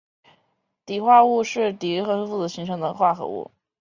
锑化物是锑和电负性更小的元素形成的化合物。